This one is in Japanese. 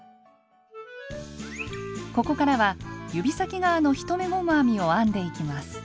ここからは指先側の１目ゴム編みを編んでいきます。